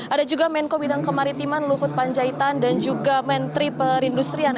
ada juga menko bidang kemaritiman luhut pantai